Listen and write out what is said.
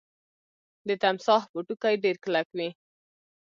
د تمساح پوټکی ډیر کلک وي